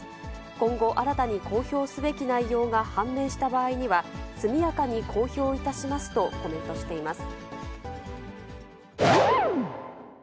今後、新たに公表すべき内容が判明した場合には、速やかに公表いたしますとコメントしています。